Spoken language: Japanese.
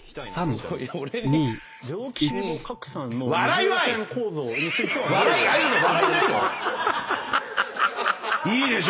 いいでしょ。